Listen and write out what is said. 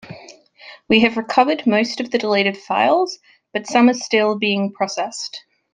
We have recovered most of the deleted files, but some are still being processed.